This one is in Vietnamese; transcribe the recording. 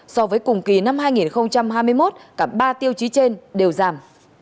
so với cùng kỳ năm hai nghìn hai mươi một cả ba tiêu chí trên đều giảm